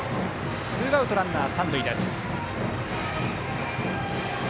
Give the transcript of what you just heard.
ツーアウト、ランナー、三塁です。